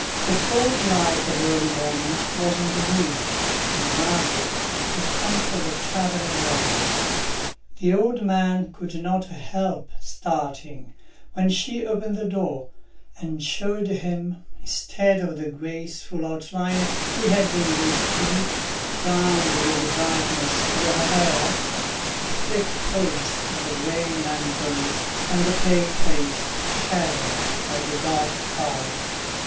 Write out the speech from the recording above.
The cold light of early morning was in the room, and Maso was come for the travelling wallet. The old man could not help starting when she opened the door, and showed him, instead of the graceful outline he had been used to, crowned with the brightness of her hair, the thick folds of the grey mantle and the pale face shadowed by the dark cowl.